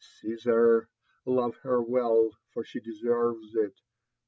Casar, love her well, for she deserves it.